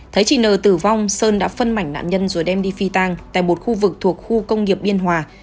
thấy chị n tử vong sơn đã phân mảnh nạn nhân rồi đem đi phi tàng tại một khu vực thuộc khu công nghiệp biên hòa